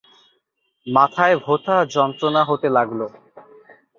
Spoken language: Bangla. মাথায় ভোঁতা যন্ত্রণা হতে লাগল।